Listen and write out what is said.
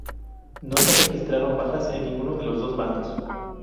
No se registraron bajas en ninguno de los dos bandos.